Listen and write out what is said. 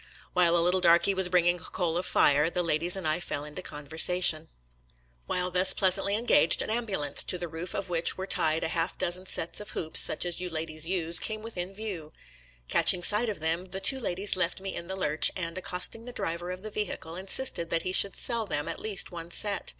While a little darky was bringing a coal of fire, the ladies and I fell into conversation. GETTTSBTJRG 137 While thus pleasantly engaged, an ambulance, to the roof of which were tied a half dozen sets of hoops, such as you ladies use, came within view. Catching sight of them, the two ladies left me in the lurch, and, accosting the driver of the vehicle, insisted that he should sell them at least one set.